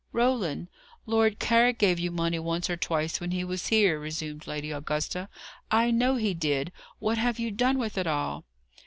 "Roland, Lord Carrick gave you money once or twice when he was here," resumed Lady Augusta, "I know he did. What have you done with it all?"